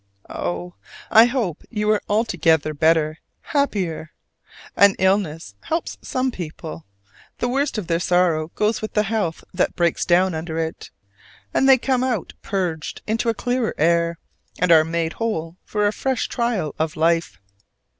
Oh, I hope you are altogether better, happier! An illness helps some people: the worst of their sorrow goes with the health that breaks down under it; and they come out purged into a clearer air, and are made whole for a fresh trial of life.